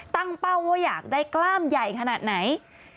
ตั้งเป้าว่าอยากได้กล้ามใหญ่ขนาดไหน